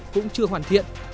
cũng chưa hoàn thiện